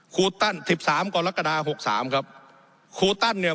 ครูตั้นสิบสามกรกฎาหกสามครับครูตั้นเนี่ย